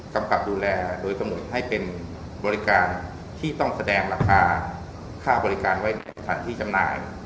กำกับดูแลโดยกำหนดให้เป็นบริการที่ต้องแสดงราคาค่าบริการไว้ในสถานที่จำหน่าย